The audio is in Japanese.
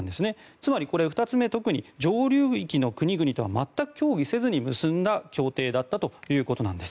つまり、２つ目特に上流域の国々とは全く協議せずに結んだ協定だったということなんです。